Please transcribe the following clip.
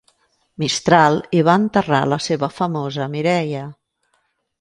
Mistral hi va enterrar la seva famosa Mireia.